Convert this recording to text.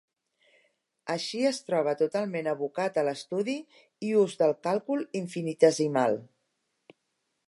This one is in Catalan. Així, es troba totalment abocat a l'estudi i ús del càlcul infinitesimal.